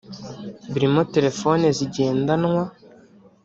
birimo telefone zigendanwa